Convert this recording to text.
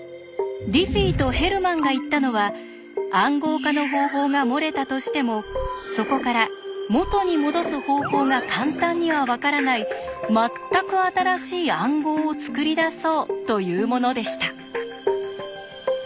ディフィーとヘルマンが言ったのは「暗号化の方法」が漏れたとしてもそこから「元にもどす方法」が簡単にはわからない全く新しい暗号を作り出そうというものでした。